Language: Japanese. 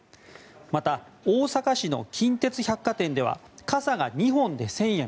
また、大阪市の近鉄百貨店では傘が２本で１０００円。